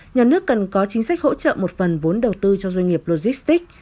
nhà nước cần có chính sách hỗ trợ một phần vốn đầu tư cho doanh nghiệp logistics